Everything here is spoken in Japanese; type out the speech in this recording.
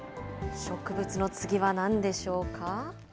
植物の次はなんでしょうか。